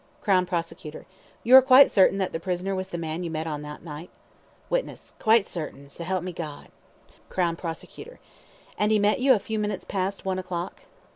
CROWN PROSECUTOR: You are quite certain that the prisoner was the man you met on that night? WITNESS: Quite certin', s'elp me G . CROWN PROSECUTOR: And he met you a few minutes past one o'clock?